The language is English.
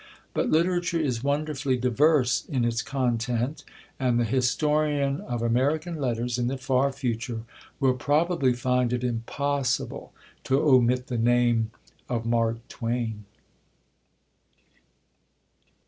But Literature is wonderfully diverse in its content; and the historian of American Letters, in the far future, will probably find it impossible to omit the name of Mark Twain.